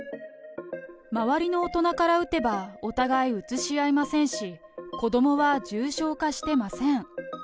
周りの大人から打てば、お互いうつし合いませんし、子どもは重症化してません。